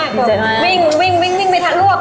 ก็วิ่งวิ่งทะลวกเลยอะครับ